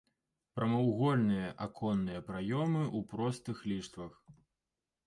Прамавугольныя аконныя праёмы ў простых ліштвах.